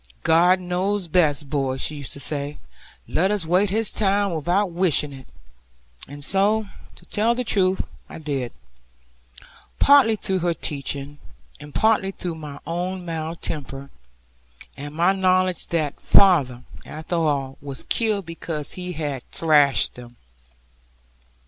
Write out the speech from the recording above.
'God knows best, boy,' she used to say, 'let us wait His time, without wishing it.' And so, to tell the truth, I did; partly through her teaching, and partly through my own mild temper, and my knowledge that father, after all, was killed because he had thrashed them.